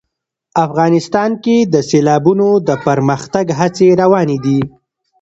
افغانستان کې د سیلابونه د پرمختګ هڅې روانې دي.